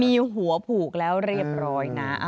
มีหัวผูกแล้วเรียบร้อยนะ